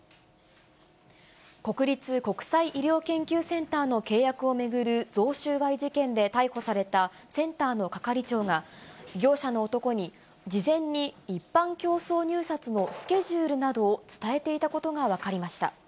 国立国際医療研究センターの契約を巡る贈収賄事件で逮捕されたセンターの係長が、業者の男に、事前に一般競争入札のスケジュールなどを伝えていたことが分かりました。